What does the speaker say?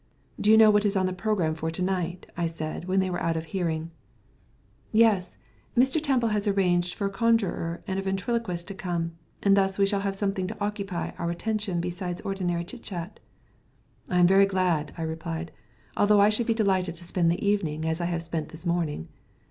"Do you know what is on the programme for to night?" I said, when they were out of hearing. "Yes; Mr. Temple has arranged for a conjuror and a ventriloquist to come, and thus we shall have something to occupy our attention besides ordinary chitchat." "I'm very glad," I replied, "although I should be delighted to spend the evening as I have spent this morning."